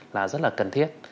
là rất là cần thiết